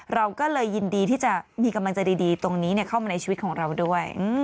เราก็เลยยินดีที่จะมีกำลังใจดีตรงนี้เข้ามาในชีวิตของเราด้วย